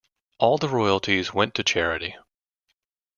All the royalties went to charity.